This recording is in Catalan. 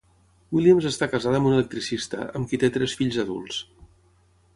Williams està casada amb un electricista, amb qui té tres fills adults.